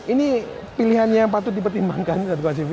ini pilihan yang patut dipertimbangkan sobat tempat cv